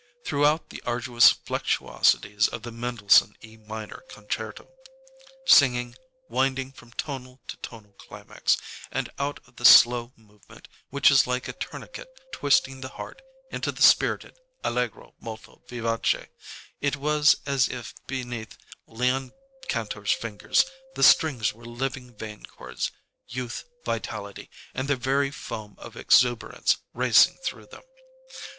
Throughout the arduous flexuosities of the Mendelssohn E minor concerto, singing, winding from tonal to tonal climax, and out of the slow movement which is like a tourniquet twisting the heart into the spirited allegro molto vivace, it was as if beneath Leon Kantor's fingers the strings were living vein cords, youth, vitality, and the very foam of exuberance racing through them.